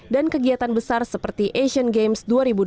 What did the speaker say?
dan kegiatan besar seperti asian games dua ribu delapan belas